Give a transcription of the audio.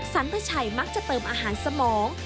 สรรพชัยมักจะเติมอาหารสมอง